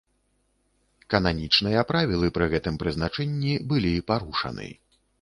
Кананічныя правілы пры гэтым прызначэнні былі парушаны.